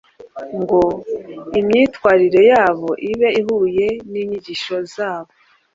ngo imyitwarire yabo ibe ihuye n’inyigisho zabo